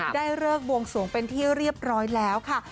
ได้เลิกบวงสวงเป็นที่เรียบร้อยแล้วค่ะ